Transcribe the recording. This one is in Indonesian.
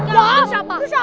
wah itu siapa